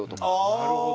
なるほど。